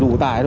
đây là lý do